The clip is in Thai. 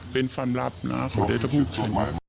เป็นฝันลับขอได้ต้องพูดค่ะ